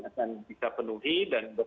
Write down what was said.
akan bisa penuhi dan